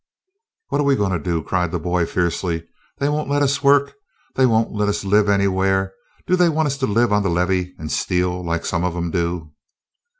"What are we goin' to do?" cried the boy fiercely. "They won't let us work. They won't let us live anywhaih. Do they want us to live on the levee an' steal, like some of 'em do?"